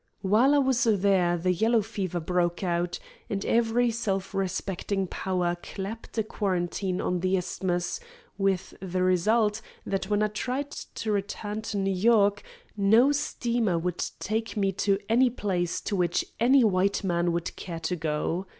While I was there the yellow fever broke out, and every self respecting power clapped a quarantine on the Isthmus, with the result that when I tried to return to New York no steamer would take me to any place to which any white man would care to go.